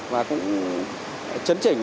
và cũng chấn chỉnh